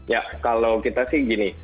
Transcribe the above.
ya kalau kita sih gini